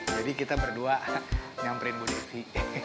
jadi kita berdua nyamperin bu devi